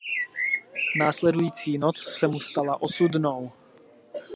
Následující noc se mu stala osudnou.